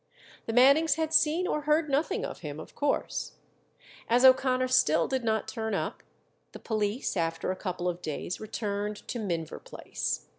The Mannings had seen or heard nothing of him, of course. As O'Connor still did not turn up, the police after a couple of days returned to Minver Place.